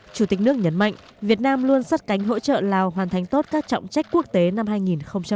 chủ tịch nước nhấn mạnh việt nam luôn sắt cánh hỗ trợ lào hoàn thành tốt các trọng trách quốc tế năm hai nghìn hai mươi